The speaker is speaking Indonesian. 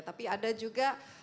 tapi ada juga mungkin yang diperbaiki